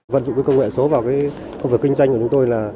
vận dụng công nghệ số vào cái công việc kinh doanh của chúng tôi là